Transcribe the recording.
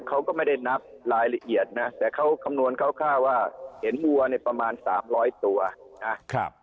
เขาก็ไม่ได้นับรายละเอียดนะแต่เขาคำนวณคร่าวว่าเห็นวัวเนี่ยประมาณสามร้อยตัวนะครับ